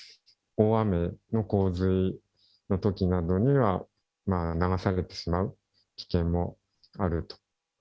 大雨の洪水のときなどには、流されてしまう危険もあると。